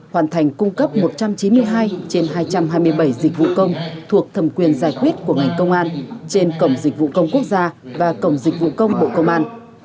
hoàn thành cung cấp một trăm chín mươi hai trên hai trăm hai mươi bảy dịch vụ công thuộc thẩm quyền giải quyết của ngành công an trên cổng dịch vụ công quốc gia và cổng dịch vụ công bộ công an